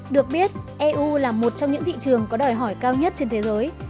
được biết eu là một trong những thị trường có đòi hỏi cao nhất trên thế giới